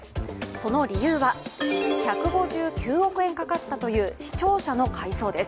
その理由は１５９億円かかったという市庁舎の改装です。